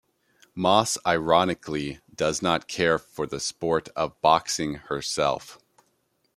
Moss ironically does not care for the sport of boxing herself.